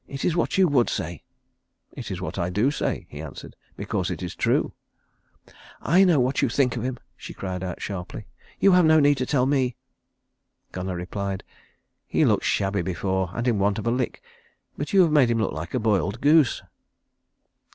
"It is what you would say." "It is what I do say," he answered, "because it is true." "I know what you think of him," she cried out sharply. "You have no need to tell me." Gunnar replied: "He looked shabby before, and in want of a lick; but you have made him look like a boiled goose."